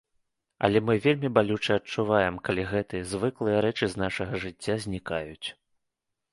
Але мы вельмі балюча адчуваем, калі гэтыя звыклыя рэчы з нашага жыцця знікаюць.